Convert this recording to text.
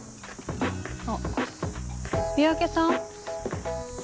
あっ三宅さん？